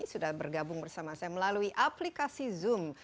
sudah bergabung bersama saya melalui aplikasi zoom